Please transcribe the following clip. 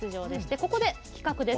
ここで、企画です。